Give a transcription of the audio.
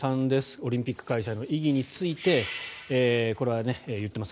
オリンピック開催の意義についてこれは言っています